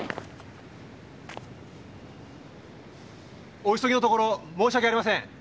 お急ぎのところ申し訳ありません。